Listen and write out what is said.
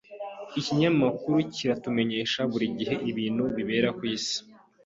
Ikinyamakuru kiratumenyesha buri gihe ibintu bibera kwisi.